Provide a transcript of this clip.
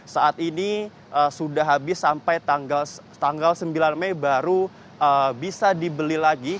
saat ini sudah habis sampai tanggal sembilan mei baru bisa dibeli lagi